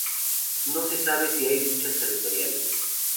No se sabe si hay luchas territoriales.